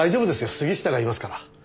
杉下がいますから。